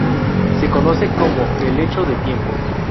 Se conoce como "helecho de tiempo".